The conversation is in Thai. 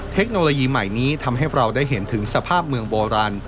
เทคโนโลยีใหม่นี้ทำให้เราได้เห็นถึงสภาพเมืองโบราณ